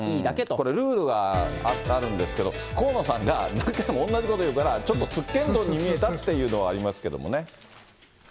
これ、ルールがあるんですけど、河野さんが何回も同じこと言うから、ちょっとつっけんどんに見えたっていうのはありますけどもね。